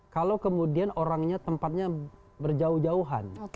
kalau kemudian orangnya tempatnya berjauh jauhan